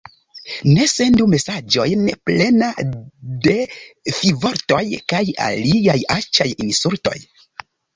Ne sendu mesaĝojn plena de fivortoj kaj aliaj aĉaj insultoj